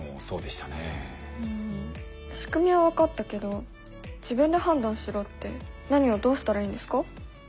しくみは分かったけど自分で判断しろって何をどうしたらいいんですか？